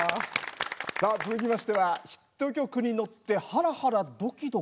さあ続きましてはヒット曲に乗ってハラハラドキドキ。